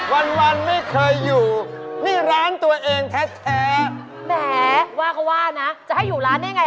วันวันไม่เคยอยู่